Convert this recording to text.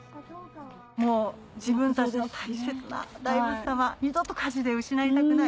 もう自分たちの大切な大仏様２度と火事で失いたくない。